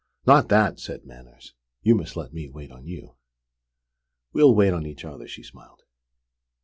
"Not that!" said Manners. "You must let me wait on you!" "We'll wait on each other," she smiled.